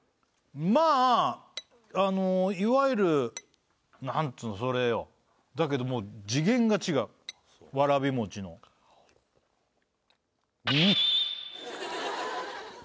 まあいわゆるなんていうのそれよだけどもう次元が違うわらび餅のうんっ！